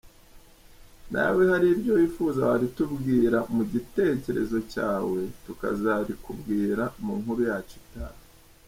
Nawe hari iryo wifuza waritubwira mu gitekerezo cyawe tukazarikubwira mu nkuru yacu itaha.